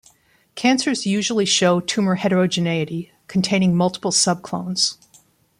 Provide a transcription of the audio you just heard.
Cancers usually show tumour heterogeneity, containing multiple subclones.